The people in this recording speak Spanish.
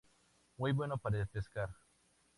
Muy bueno para pescar.